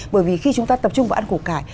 bởi vì khi chúng ta tập trung vào ăn củ cải